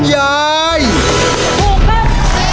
ถูก